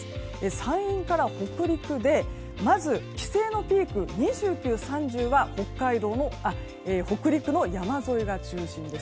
山陰から北陸でまず帰省のピーク２９、３０は北陸の山沿いが中心です。